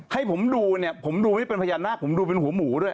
ให้ผมดูเนี่ยผมดูให้เป็นพญานาคผมดูเป็นหัวหมูด้วย